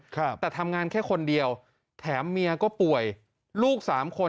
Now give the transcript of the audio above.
ครับแต่ทำงานแค่คนเดียวแถมเมียก็ป่วยลูกสามคน